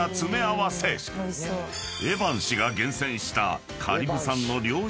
［エヴァン氏が厳選した］